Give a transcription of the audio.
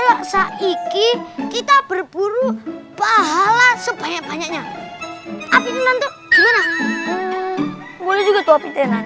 laksaiki kita berburu pahala sebanyak banyaknya api nanti